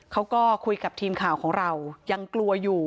เขาก็คุยกับทีมข่าวของเรายังกลัวอยู่